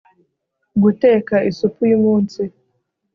guteka 'isupu yumunsi